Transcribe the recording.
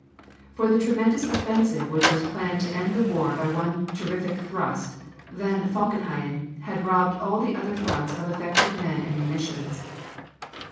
For the tremendous offensive which was planned to end the war by one terrific thrust, von Falkenhayn had robbed all the other fronts of effective men and munitions.